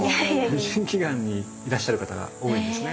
美人祈願にいらっしゃる方が多いですね。